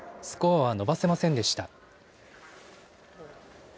スコアは伸ばせませんでした。